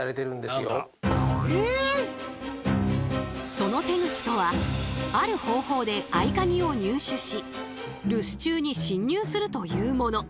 その手口とはある方法で合カギを入手し留守中に侵入するというもの。